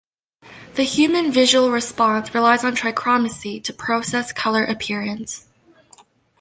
The human visual response relies on trichromacy to process color appearance.